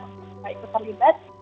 supaya itu terlibat